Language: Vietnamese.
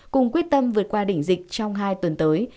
cùng quyết tâm vượt qua đỉnh dịch trong hai tuần tới